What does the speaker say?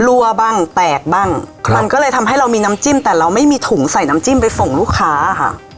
รั่วบ้างแตกบ้างครับมันก็เลยทำให้เรามีน้ำจิ้มแต่เราไม่มีถุงใส่น้ำจิ้มไปส่งลูกค้าค่ะ